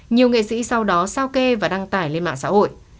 nhiều nghệ sĩ sau đó sao kê và đăng tải lên mạng xã hội